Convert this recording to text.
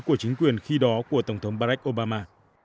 của chính quyền khi đó của tổng thống barack obama